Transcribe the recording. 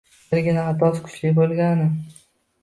Birgina xatosi kuchli boʻlgani.